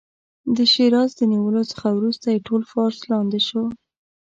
د شیراز د نیولو څخه وروسته یې ټول فارس لاندې شو.